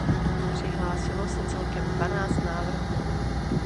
Přihlásilo se celkem dvanáct návrhů.